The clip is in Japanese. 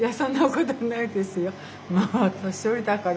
いや年寄りだから。